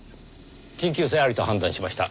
緊急性ありと判断しました。